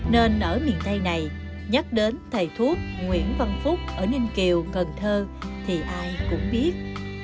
nên ở miền tây này nhắc đến thầy thuốc nguyễn văn phúc ở ninh kiều cần thơ thì ai cũng biết